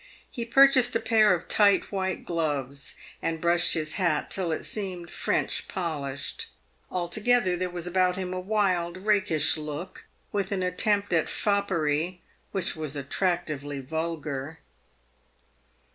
He purchased a pair of tight white gloves, and brushed his hat till it seemed French polished. Altogether there was about him a wild, rakish look, with an attempt at foppery which was attractively vulgar.